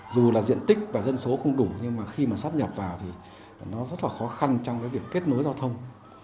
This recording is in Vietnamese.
dù là diện tích và dân số không đủ nhưng mà khi mà sắp nhập vào thì nó rất là khó khăn trong cái việc kết nối giao thông